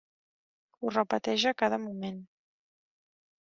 Ho repeteix a cada moment.